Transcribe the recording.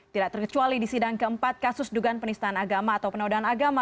tidak terkecuali di sidang keempat kasus dugaan penistaan agama atau penodaan agama